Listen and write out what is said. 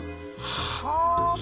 はあ！